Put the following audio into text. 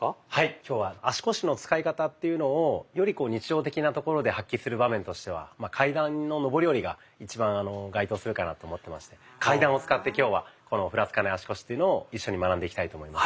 今日は足腰の使い方というのをより日常的なところで発揮する場面としては階段の上り下りが一番該当するかなと思ってまして階段を使って今日はふらつかない足腰というのを一緒に学んでいきたいと思います。